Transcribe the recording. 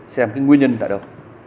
xem cái nguyên nhân tại đâu